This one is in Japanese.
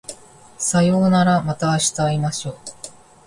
さようならまた明日会いましょう